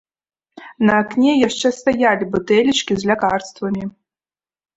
На акне яшчэ стаялі бутэлечкі з лякарствамі.